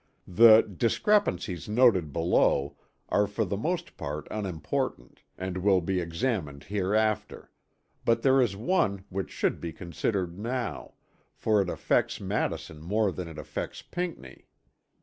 The "discrepancies noted below" are for the most part unimportant; and will be examined hereafter; but there is one which should be considered now, for it affects Madison more than it affects Pinckney.